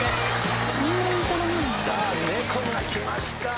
さあ『猫』がきました。